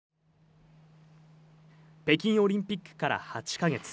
北京オリンピックから８か月。